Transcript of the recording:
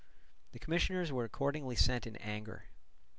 The commissioners were accordingly sent in anger.